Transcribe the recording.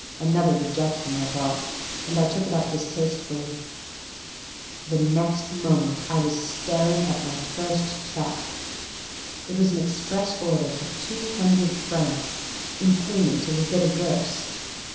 Another rejection, I thought, and I took it up distastefully. The next moment I was staring at my first cheque. It was an express order for two hundred francs, in payment of a bit of verse..